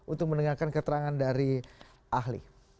untuk mendengarkan keterangan dari ahli